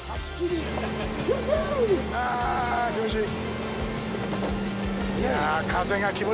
ああ、気持ちいい！